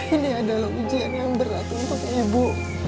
ini adalah ujian yang berat untuk ibu